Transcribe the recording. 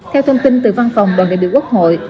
theo thông tin từ văn phòng đoàn đại biểu quốc hội